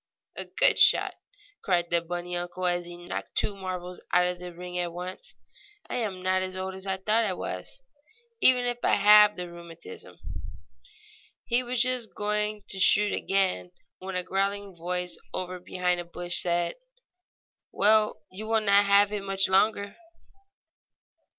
A good shot!" cried the bunny uncle, as he knocked two marbles out of the ring at once. "I am not so old as I thought I was, even if I have the rheumatism." He was just going to shoot again when a growling voice over behind a bush said: "Well, you will not have it much longer."